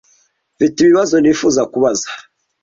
Mfite ibibazo nifuza kubaza.